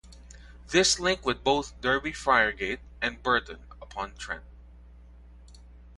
This linked with both Derby Friargate and Burton upon Trent.